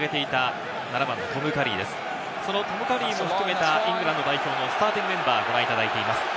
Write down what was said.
そのトム・カリーも含めたイングランド代表のスターティングメンバーをご覧いただいています。